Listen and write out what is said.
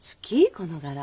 この柄。